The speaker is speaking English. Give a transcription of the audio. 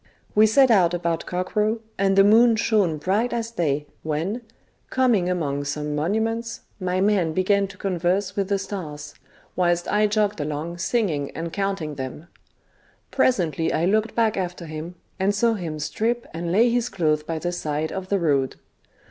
We set out about cockcrow, and the moon shone bright as day, when, coming among some monuments, my man began to converse with the stars, whilst I jogged along singing and counting them. Presently I looked back after him, and saw him strip and lay his clothes by the side of the road.